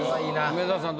梅沢さん